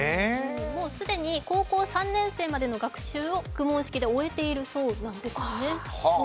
もう既に高校３年生までの学習を公文式で終えているそうなんですね。